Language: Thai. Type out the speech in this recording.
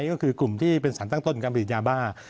ก็คือกลุ่มที่เป็นสารตั้งต้นการผลิตยาบ้า